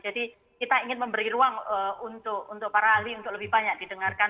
jadi kita ingin memberi ruang untuk para ahli untuk lebih banyak didengarkan